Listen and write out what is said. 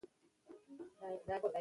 هغه د خپل ماشوم سره وخت تیروي.